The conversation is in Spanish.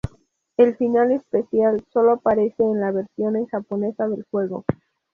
El final especial solo aparece en la versión en japonesa del juego.